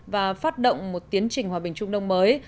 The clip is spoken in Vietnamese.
và phát động một tiến trình hòa bình trung đông mới